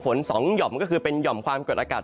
ฝนสองหย่อมก็คือเป็นหย่อมความเกิดอากาศ